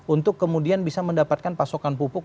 untuk kemudian bisa mendapatkan pasokan pupuk